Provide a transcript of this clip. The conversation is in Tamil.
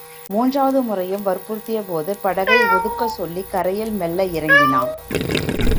மூன்றாவது முறையும் வற்புறுத்தியபோது படகை ஒதுக்கச் சொல்லிக் கரையில் மெல்ல இறங்கினான்.